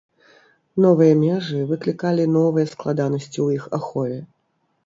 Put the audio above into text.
Новыя межы выклікалі новыя складанасці ў іх ахове.